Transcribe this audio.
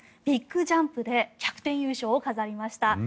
ビッグジャンプで逆転優勝を飾りました。